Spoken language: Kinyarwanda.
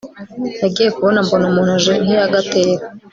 nagiye kubona mbona umuntu aje nk iyagatera